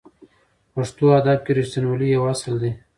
پښتو ادب کې رښتینولي یو اصل دی.